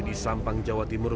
di sampang jawa timur